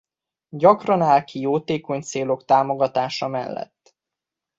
Gyakran áll ki jótékony célok támogatása mellett.